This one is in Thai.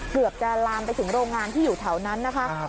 เกือบจะลามไปถึงโรงงานที่อยู่แถวนั้นนะคะ